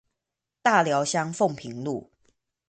大寮鄉鳳屏路